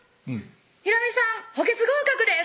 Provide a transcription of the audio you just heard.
「弘美さん補欠合格です！」